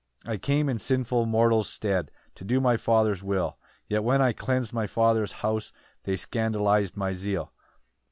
9 "I came in sinful mortals' stead, "To do my Father's will; "Yet when I cleans'd my father's house "They scandaliz'd my zeal.